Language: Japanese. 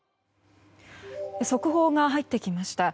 速報が入ってきました。